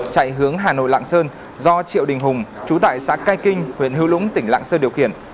chạy hướng hà nội lạng sơn do triệu đình hùng chú tại xã cai kinh huyện hữu lũng tỉnh lạng sơn điều khiển